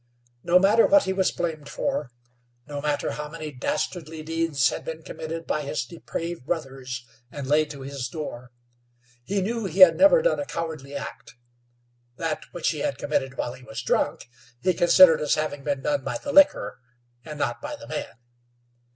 No matter what he was blamed for; no matter how many dastardly deeds had been committed by his depraved brothers and laid to his door, he knew he had never done a cowardly act. That which he had committed while he was drunk he considered as having been done by the liquor, and not by the man.